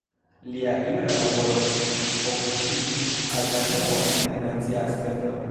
Lia jura laboro fokusiĝis al Danubo en internacia aspekto.